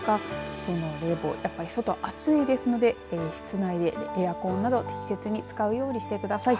その冷房やっぱり外、暑いですので室内でエアコンなど適切に使うようにしてください。